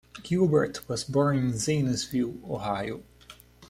Gilbert was born in Zanesville, Ohio.